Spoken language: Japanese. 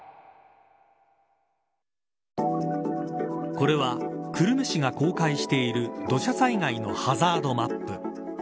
これは久留米市が公開している土砂災害のハザードマップ。